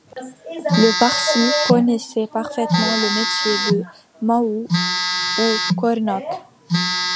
Le Parsi connaissait parfaitement le métier de « mahout » ou cornac.